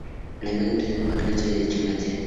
La imagen presenta un fragmento de dicha canción.